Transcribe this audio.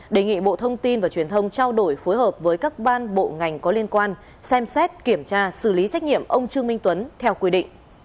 đề nghị bộ thông tin và truyền thông trao đổi phối hợp với các ban bộ ngành có liên quan xem xét kiểm tra xử lý trách nhiệm ông trương minh tuấn theo quy định